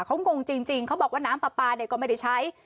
เขางงจริงเขาบอกว่าน้ำปลาปลาเนี่ยก็ไม่ได้ใช้